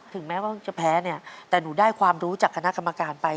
แม้ว่าจะแพ้เนี่ยแต่หนูได้ความรู้จากคณะกรรมการไป